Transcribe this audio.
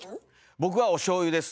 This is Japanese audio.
僕はおしょうゆです。